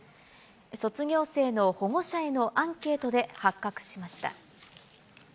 卒業生の保護者へのアンケートで発覚しました。